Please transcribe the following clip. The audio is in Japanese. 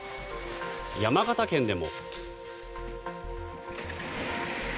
山形県でも。